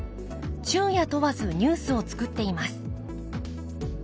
昼夜問わずニュースを作っています。